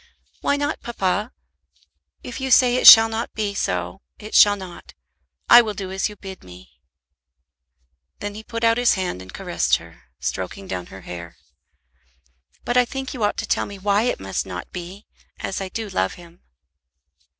"Why not, papa? If you say it shall not be so, it shall not. I will do as you bid me." Then he put out his hand and caressed her, stroking down her hair. "But I think you ought to tell me why it must not be, as I do love him."